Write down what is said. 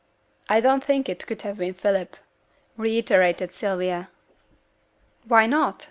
'I don't think it could have been Philip,' reiterated Sylvia. 'Why not?'